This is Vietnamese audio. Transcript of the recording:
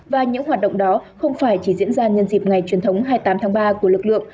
và những hoạt động đó không phải chỉ diễn ra nhân dịp ngày truyền thống hai mươi tám tháng ba của lực lượng